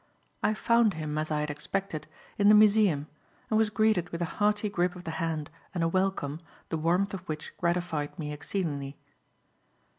I found him, as I had expected, in the museum and was greeted with a hearty grip of the hand and a welcome, the warmth of which gratified me exceedingly.